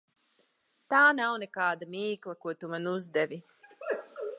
Tā nav nekāda mīkla, ko tu man uzdevi.